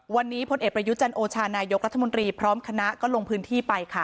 วันนี้พลเอกประยุจันโอชานายกรัฐมนตรีพร้อมคณะก็ลงพื้นที่ไปค่ะ